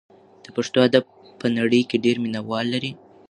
د پښتو ادب په نړۍ کې ډېر مینه وال لري.